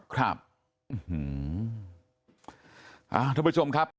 ครับทุกผู้ชมครับ